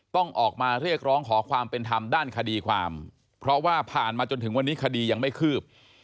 ต้องออกมาเรียกร้องขอความเป็นธรรมด้านคดีความเพราะว่าผ่านมาจนถึงวันนี้คดียังไม่คืบ